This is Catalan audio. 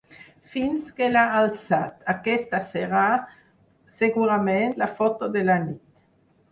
Fins que l’ha alçat: aquesta serà, segurament, la foto de la nit.